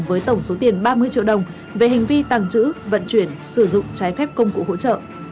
với tổng số tiền ba mươi triệu đồng về hành vi tàng trữ vận chuyển sử dụng trái phép công cụ hỗ trợ